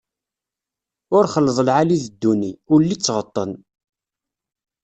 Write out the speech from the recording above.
Ur xelleḍ lɛali d dduni, ulli d tɣeṭṭen!